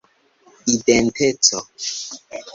identeco